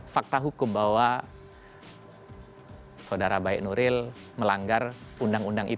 fakta hukum bahwa saudara baik nuril melanggar undang undang ite